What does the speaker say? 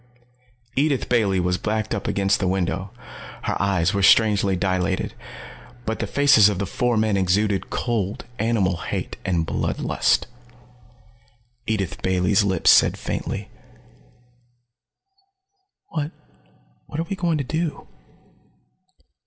Edith Bailey was backed up against the window. Her eyes were strangely dilated. But the faces of the four men exuded cold animal hate, and blood lust. Edith Bailey's lips said faintly, "What what are we going to do?"